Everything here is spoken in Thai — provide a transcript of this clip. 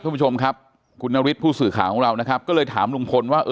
คุณผู้ชมครับคุณนฤทธิผู้สื่อข่าวของเรานะครับก็เลยถามลุงพลว่า